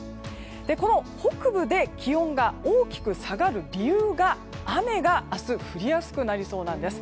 この北部で気温が大きく下がる理由が雨が明日降りやすくなりそうなんです。